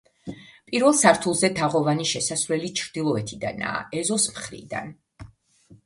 პირველ სართულზე თაღოვანი შესასვლელი ჩრდილოეთიდანაა, ეზოს მხრიდან.